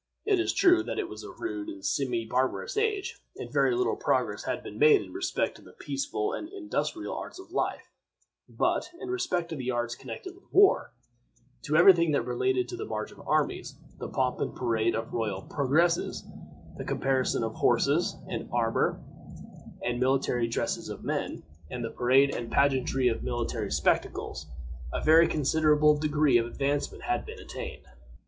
It is true that it was a rude and semi barbarous age, and very little progress had been made in respect to the peaceful and industrial arts of life; but, in respect to the arts connected with war, to every thing that related to the march of armies, the pomp and parade of royal progresses, the caparison of horses, the armor and military dresses of men, and the parade and pageantry of military spectacles, a very considerable degree of advancement had been attained.